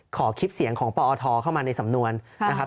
ขอคลิปเสียงของปอทเข้ามาในสำนวนนะครับ